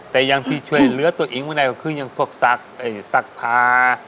แต่ยังที่ช่วยเลือดตัวอิงละก็คือยังพวกสักพา